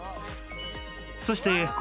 そして昴